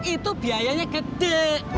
itu biayanya gede